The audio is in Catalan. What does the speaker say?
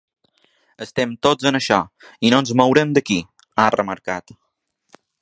Estem tots en això i no ens mourem d’aquí, ha remarcat.